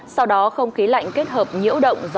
sau đó không khí lạnh kết hợp với nguồn nguyên liệu